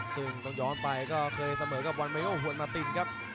ซึ่งต้องย้อนไปก็เคยเสมอกับวันเมโอฮวนมาตินครับ